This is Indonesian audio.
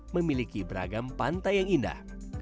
memiliki beragam pantai yang indah